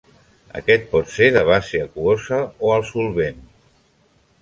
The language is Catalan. Aquest pot ser de base aquosa o al solvent.